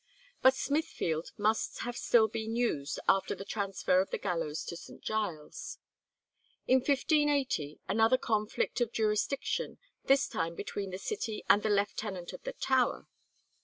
But Smithfield must have been still used after the transfer of the gallows to St. Giles. In 1580 another conflict of jurisdiction, this time between the city and the Lieutenant of the Tower.